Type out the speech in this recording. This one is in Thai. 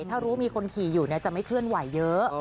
ถ้ารู้มีคนขี่อยู่จะไม่เคลื่อนไหวเยอะ